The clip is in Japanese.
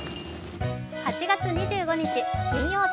８月２５日金曜日。